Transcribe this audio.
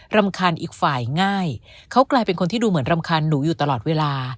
รำคาญอีกฝ่ายง่ายเขากลายเป็นคนที่ดูเหมือนรำคาญหนูอยู่ตลอดเวลา